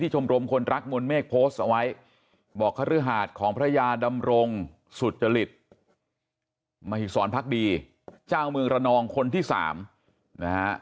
จำรงสุจริตมหิกษรภักดีเจ้าเมืองระนองคนที่สามนะฮะ